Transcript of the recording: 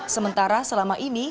sementara selama ini